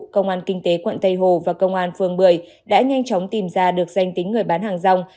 công an kinh tế quận tây hồ và công an phường một mươi đã nhanh chóng tìm ra được danh tính người bán hàng rong